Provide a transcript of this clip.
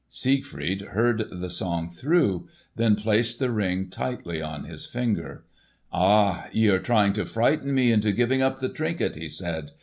Siegfried heard the song through, then placed the Ring tightly on his finger. "Ah, ye are trying to frighten me into giving up the trinket!" he said.